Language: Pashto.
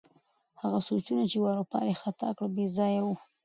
هغه سوچونه چې واروپار یې ختا کړ، بې ځایه وو.